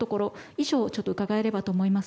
以上を伺えればと思います。